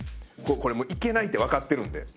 これ行けないって分かってるんで。